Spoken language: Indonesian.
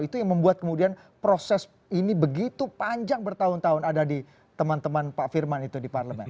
itu yang membuat kemudian proses ini begitu panjang bertahun tahun ada di teman teman pak firman itu di parlemen